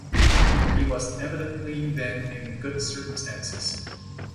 He was evidently then in good circumstances.